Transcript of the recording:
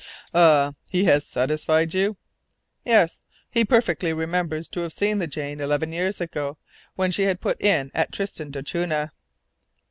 "Ah! he has satisfied you?" "Yes. He perfectly remembers to have seen the Jane, eleven years ago, when she had put in at Tristan d'Acunha."